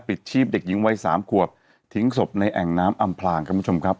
ชีพเด็กหญิงวัยสามขวบทิ้งศพในแอ่งน้ำอำพลางคุณผู้ชมครับ